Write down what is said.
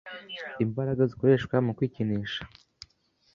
Imbaraga zikoreshwa mu kwikinisha